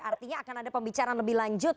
artinya akan ada pembicaraan lebih lanjut